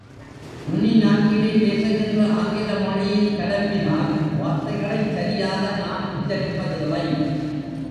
நுனி நாக்கிலே பேசுகின்ற ஆங்கிலமொழியின் கலப்பினால் வார்த்தைகளைச் சரியாக நாம் உச்சரிப்பதில்லை.